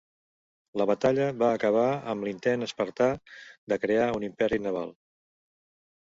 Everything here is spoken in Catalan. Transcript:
La batalla va acabar amb l'intent espartà de crear un imperi naval.